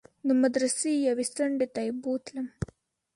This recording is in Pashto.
د مدرسې يوې څنډې ته يې بوتلم.